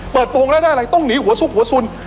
เปิดโปรงและได้อะไรต้องหนีหัวสู้หัวสุน